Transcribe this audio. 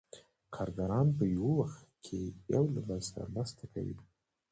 کارګران په یو وخت کې یو له بل سره مرسته کوي